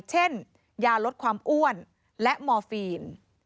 เช่นยาลดความอ้วนและมอร์ฟีน